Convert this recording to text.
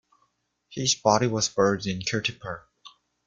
His body was buried in Kirtipur.